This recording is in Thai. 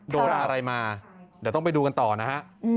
โดนอะไรมาเดี๋ยวต้องไปดูกันต่อนะฮะ